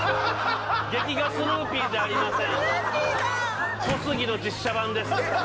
劇画スヌーピーじゃありません。